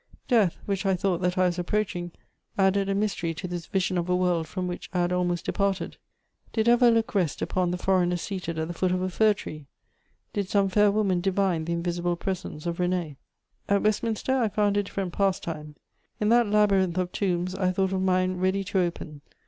Death, which I thought that I was approaching, added a mystery to this vision of a world from which I had almost departed. Did ever a look rest upon the foreigner seated at the foot of a fir tree? Did some fair woman divine the invisible presence of René? [Sidenote: A night in Westminster Abbey.] At Westminster I found a different pastime: in that labyrinth of tombs I thought of mine ready to open.